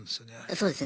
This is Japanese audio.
そうですね。